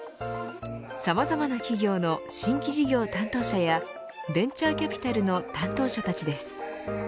さまざまな企業の新規事業担当者やベンチャーキャピタルの担当者たちです。